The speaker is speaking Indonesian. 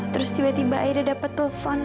terus tiba tiba akhirnya dapat telepon